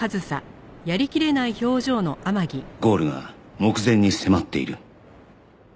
ゴールが目前に迫っている